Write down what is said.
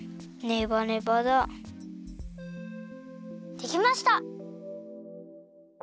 できました！